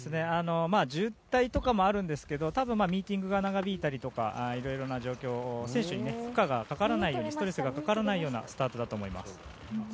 渋滞とかもあるんですけど多分、ミーティングが長引いたりとかいろいろな状況選手に負荷やストレスがかからないようなスタートだと思います。